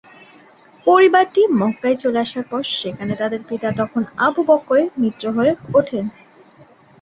পরিবারটি মক্কায় চলে আসার পর সেখানে তাদের পিতা তখন আবু বকরের মিত্র হয়ে ওঠেন।